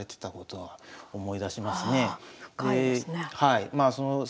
はい。